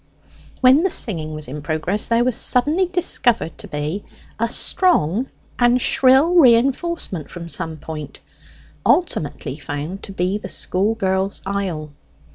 When the singing was in progress there was suddenly discovered to be a strong and shrill reinforcement from some point, ultimately found to be the school girls' aisle.